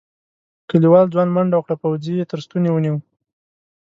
کليوال ځوان منډه وکړه پوځي یې تر ستوني ونيو.